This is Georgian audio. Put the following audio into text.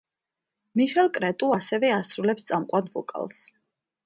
მიშელ კრეტუ ასევე ასრულებს წამყვან ვოკალს.